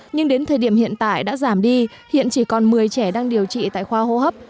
nhưng đến thời điểm hiện tại đã giảm đi hiện chỉ còn một mươi trẻ đang điều trị tại khoa hô hấp